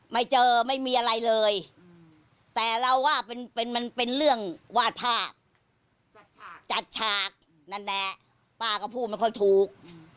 ไม่เจอไม่มีอะไรเลยแต่เราว่ามันเป็นเรื่องวาดภาพจัดฉากนั่นแหละป้าก็พูดไม่ค่อยถูก